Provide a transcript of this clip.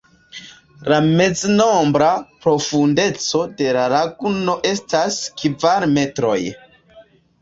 La meznombra profundeco de la laguno estas kvar metroj.